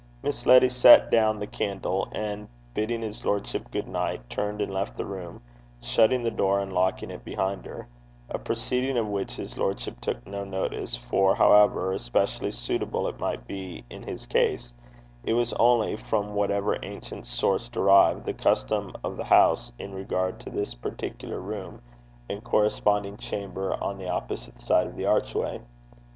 Miss Letty set down the candle, and bidding his lordship good night, turned and left the room, shutting the door, and locking it behind her a proceeding of which his lordship took no notice, for, however especially suitable it might be in his case, it was only, from whatever ancient source derived, the custom of the house in regard to this particular room and a corresponding chamber on the opposite side of the archway.